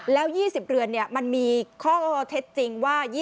แล้ว๒๐เรือนมันมีข้อเท็จจริงว่า